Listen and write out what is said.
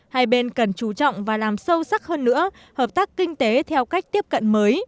hai bên cần chú trọng và làm sâu sắc hơn nữa hợp tác kinh tế theo cách tiếp cận mới